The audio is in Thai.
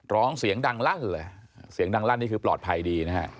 ร้องเสียงดังลั่นเลยเสียงดังลั่นนี่คือปลอดภัยดีนะฮะ